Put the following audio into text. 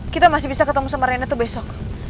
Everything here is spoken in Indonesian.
kita masih bisa ketemu sama rena tuh besok